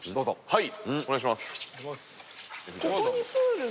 はい。